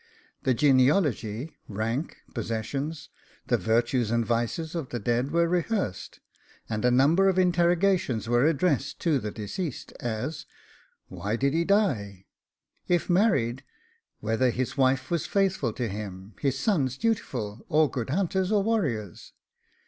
The genealogy, rank, possessions, the virtues and vices of the dead were rehearsed, and a number of interrogations were addressed to the deceased; as, Why did he die? If married, whether his wife was faithful to him, his sons dutiful, or good hunters or warriors?